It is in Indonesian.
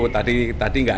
tadi tidak ada